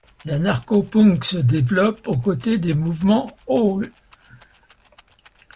L'anarcho-punk se développe aux côtés des mouvements Oi!